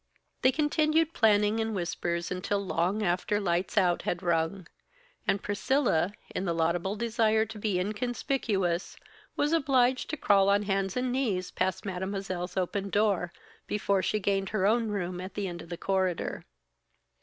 They continued planning in whispers until long after "lights out" had rung; and Priscilla, in a laudable desire to be inconspicuous, was obliged to crawl on hands and knees past Mademoiselle's open door, before she gained her own room at the end of the corridor.